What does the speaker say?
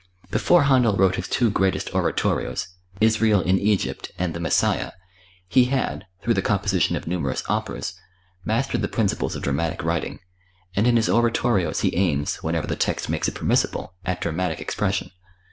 Before Händel wrote his two greatest oratorios, "Israel in Egypt" and "The Messiah," he had, through the composition of numerous operas, mastered the principles of dramatic writing, and in his oratorios he aims, whenever the text makes it permissible, at dramatic expression.